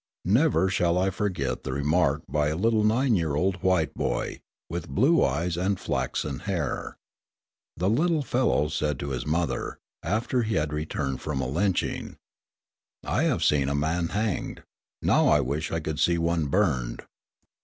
Never shall I forget the remark by a little nine year old white boy, with blue eyes and flaxen hair. The little fellow said to his mother, after he had returned from a lynching: "I have seen a man hanged; now I wish I could see one burned."